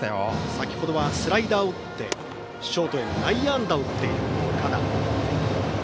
先程はスライダーを打ってショートへの内野安打を打っている岡田。